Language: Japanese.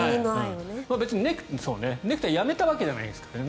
ネクタイをやめたわけじゃないですからね。